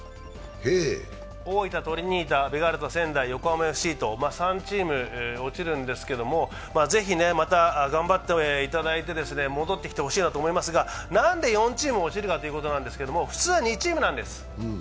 大分トリニータ、ベガルタ仙台、横浜ＦＣと３チーム落ちるんですけれども、ぜひまた頑張っていただいて戻ってきてほしいなと思いますが、何で４チーム落ちるかということなんですが普通は２チームなんです。